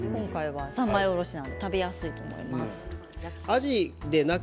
三枚おろしなので食べやすいと思います。